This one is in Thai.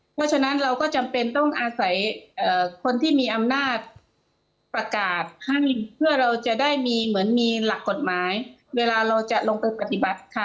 เพราะฉะนั้นเราก็จำเป็นต้องอาศัยคนที่มีอำนาจประกาศให้เพื่อเราจะได้มีเหมือนมีหลักกฎหมายเวลาเราจะลงไปปฏิบัติค่ะ